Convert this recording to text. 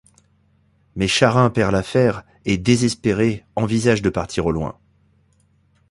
Mais Charin perd l'affaire et, désespéré, envisage de partir au loin.